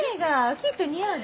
きっと似合うで。